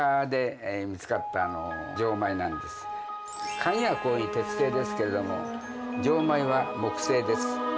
鍵は鉄製ですけれども錠前は木製です。